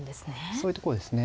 そういうところですね。